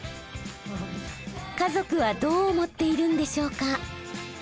家族はどう思っているんでしょうか？